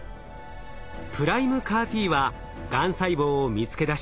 ＰＲＩＭＥＣＡＲ−Ｔはがん細胞を見つけ出し